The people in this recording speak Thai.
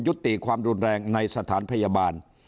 ยุติความรุนแรงในสถานพยาบาล